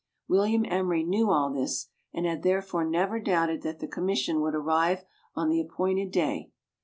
William Emery knew all this, and had th.ere fore never doubted that the commission would arrive on the appointed day.